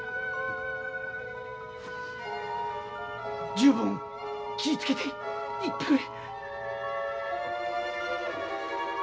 十分気ぃ付けて行ってくれ。